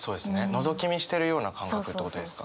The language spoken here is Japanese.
のぞき見してるような感覚ってことですか？